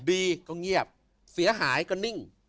ดีก็เงียบเสียหายก็นิ่ง